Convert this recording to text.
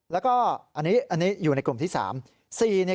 แล้วก็อันนี้อยู่ในกลุ่มที่๓